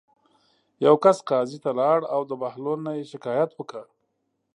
یوه کس قاضي ته لاړ او د بهلول نه یې شکایت وکړ.